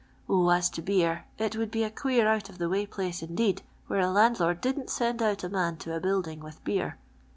0, as to beer, it would be a queer out of the way place indeed where a landlord didn't send out a man to a building with beer."